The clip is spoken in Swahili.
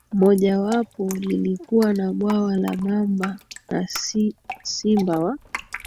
mojawapo lilikuwa na bwawa la mamba na simba wa